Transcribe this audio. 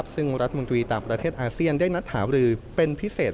ซึ่งรัฐมนตรีต่างประเทศอาเซียนได้นัดหารือเป็นพิเศษ